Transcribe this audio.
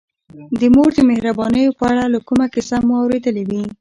د مور د مهربانیو په اړه که کومه کیسه مو اورېدلې وي.